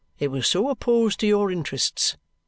It was so opposed to your interests.